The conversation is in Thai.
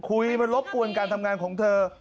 มารบกวนการทำงานของเธอ